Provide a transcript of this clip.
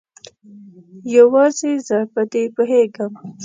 یوازې زه په دې پوهیږم